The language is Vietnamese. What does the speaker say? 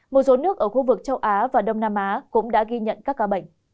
một số nước ở khu vực châu á và đông nam á cũng đã ghi nhận các ca bệnh